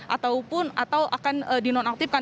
ataupun akan dinonaktifkan